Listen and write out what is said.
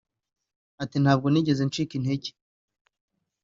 Ati “Ntabwo nigeze ncika intege